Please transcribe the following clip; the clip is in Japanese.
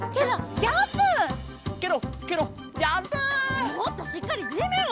もっとしっかりじめんをける！